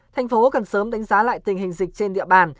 thành phố cần sớm đánh giá lại tình hình dịch trên địa bàn